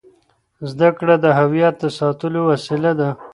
زده کړه د هویت د ساتلو وسیله ده.